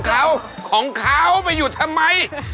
เขาของเขาไปหยุดทำไม